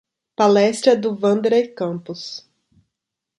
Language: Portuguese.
Palestra do Wanderer Campus